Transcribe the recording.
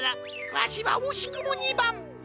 わしはおしくも２ばん。